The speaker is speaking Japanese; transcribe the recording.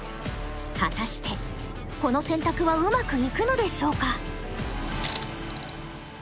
果たしてこの選択はうまくいくのでしょうか？